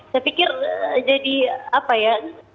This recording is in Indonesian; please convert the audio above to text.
saya pikir jadi apa ya